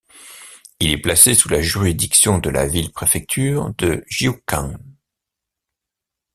Il est placé sous la juridiction de la ville-préfecture de Jiuquan.